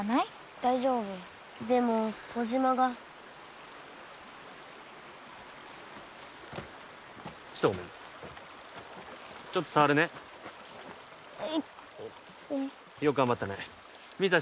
大丈夫でも小島がちょっとごめんねちょっと触るねイッテよく頑張ったねミンさん